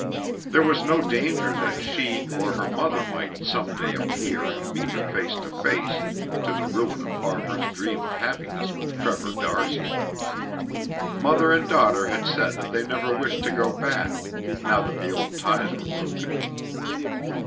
There was no danger that she or her mother might some day appear and meet him face to face, to the ruin of Barbara's dream of happiness with Trevor d'Arcy. Mother and daughter had said that they never wished to go back, now that the old ties were broken.